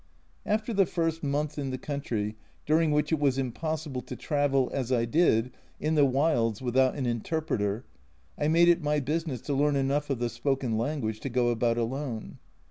After the first month in the country, during which it was impossible to travel, as I did, in the wilds without an interpreter, I made it my business to learn enough of the spoken language to go about alone.